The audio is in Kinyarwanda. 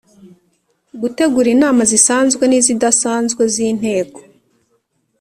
Gutegura inama zisanzwe n izidasanzwe z inteko